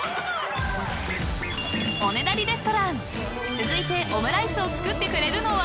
［続いてオムライスを作ってくれるのは］